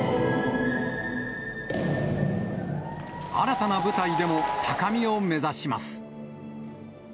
新たな舞台でも高みを目指します。